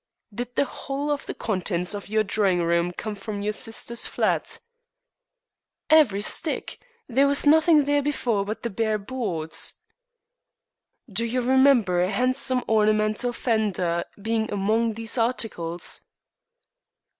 "Did the whole of the contents of your drawing room come from your sister's flat?" "Every stick. There was nothing there before but the bare boards." "Do you remember a handsome ornamental fender being among these articles?"